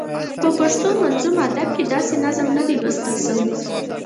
په پښتو منظوم ادب کې داسې نظم نه دی لوستل شوی.